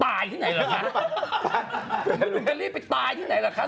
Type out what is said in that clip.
พี่หนุ่มจะรีบไปตายที่ไหนหรอคะ